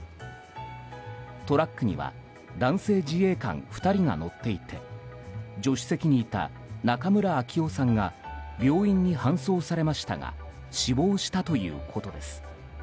トラックには男性自衛官２人が乗っていて助手席にいた中村彰夫さんが病院に搬送されましたが死亡したということです。